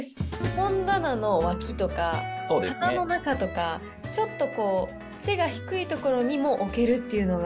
本棚の脇とか棚の中とか、ちょっとこう、背が低い所にも置けるっていうのが。